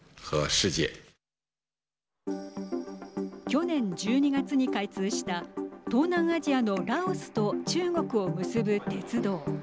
去年１２月に開通した東南アジアのラオスと中国を結ぶ鉄道。